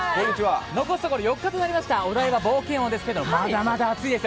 残すところ４日になりましたお台場冒険王ですがまだまだ暑いです。